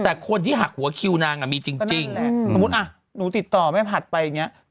แต่คนที่หักหัวคิวนางมีจริงสมมุติอ่ะหนูติดต่อแม่ผัดไปอย่างนี้